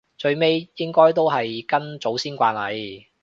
最尾應該都係跟祖先慣例